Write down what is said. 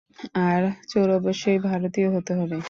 আর চোর অবশ্যই ভারতীয় হতে হবে।